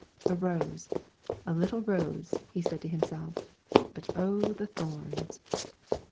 "A rose, a little rose," he said to himself; "but, oh, the thorns!"